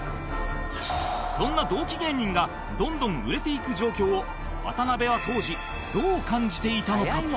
そんな同期芸人がどんどん売れていく状況を渡辺は当時どう感じていたのか？